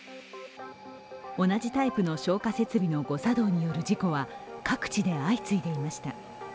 同じタイプの消火設備の誤作動による事故は各地で相次いでいました。